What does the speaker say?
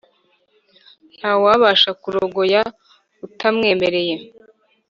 nta wabasha kugukorera utamwemereye